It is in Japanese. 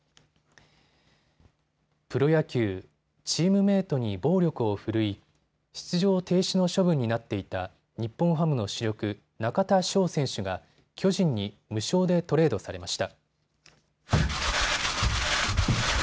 プロ野球、チームメートに暴力を振るい出場停止の処分になっていた日本ハムの主力、中田翔選手が巨人に無償でトレードされました。